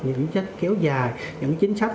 những chính sách kéo dài những chính sách